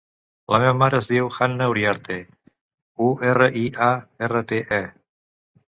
La meva mare es diu Hanna Uriarte: u, erra, i, a, erra, te, e.